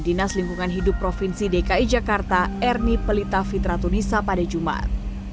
dinas lingkungan hidup provinsi dki jakarta ernie pelita fitra tunisa pada jumat